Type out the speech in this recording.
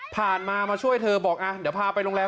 ผ่านมามาช่วยเธอบอกเดี๋ยวพาไปโรงแรม